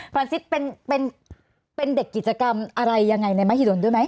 รังซิตเป็นเด็กกิจกรรมอะไรยังไงในมหิดลด้วยไหม